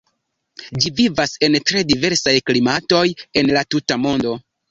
Ĝi vivas en tre diversaj klimatoj en la tuta mondo.